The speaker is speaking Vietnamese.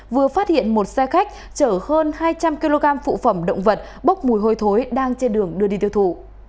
vừa phát hiện một xe khách chở hơn hai trăm linh kg phụ phẩm động vật bốc mùi hôi thối đang trên đường đưa đi tiêu thụ